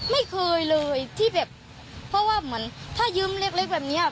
ไม่เคยเลยที่แบบเพราะว่าเหมือนถ้ายืมเล็กเล็กแบบเนี้ย